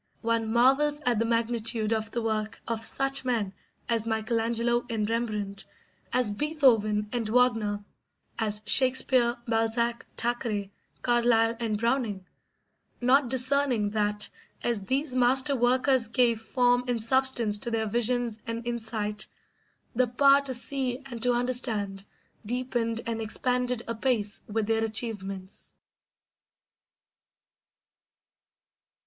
One marvels at the magnitude of the work of such men as Michelangelo and Rembrandt, as Beethoven and Wagner, as Shakespeare, Balzac, Thackeray, Carlyle, and Browning; not discerning that, as these master workers gave form and substance to their visions and insight, the power to see and to understand deepened and expanded apace with their achievements.